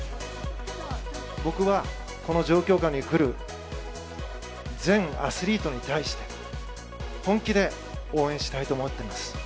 僕は、この状況下に来る全アスリートに対して、本気で応援したいと思ってます。